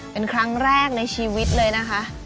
เป็นครั้งแรกในชีวิตเลยนะคะ